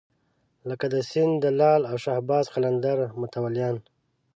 لکه د سیند د لعل او شهباز قلندر متولیان.